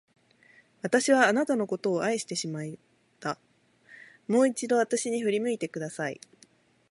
私はあなたのことを愛していました。もう一度、私に振り向いてください。